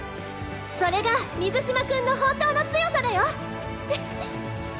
それが水嶋君の本当の強さだよ！